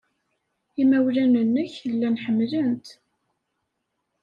Imawlan-nnek llan ḥemmlen-t.